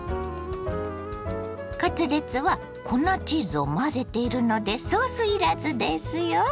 カツレツは粉チーズを混ぜているのでソースいらずですよ。